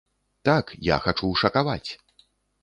Так, я хачу шакаваць!